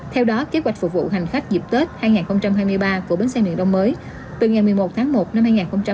theo đó kế hoạch phục vụ hành khách dịp tết hai nghìn hai mươi ba của bến xe miền đông mới từ ngày một mươi một tháng một năm hai nghìn hai mươi bốn